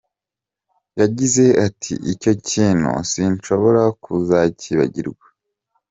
Yagize ati “Icyo kintu sinshobora kuzacyibagirwa.